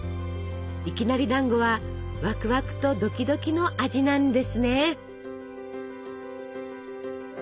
いきなりだんごはワクワクとドキドキの味なんですね！